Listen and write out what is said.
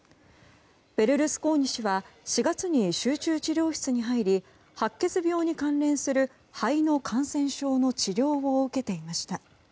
ベルルスコーニ氏は４月に集中治療室に入り白血病に関連する肺の感染症の治療を受けていました。